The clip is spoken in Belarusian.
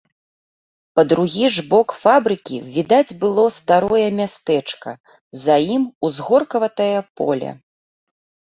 Па другі ж бок фабрыкі відаць было старое мястэчка, за ім узгоркаватае поле.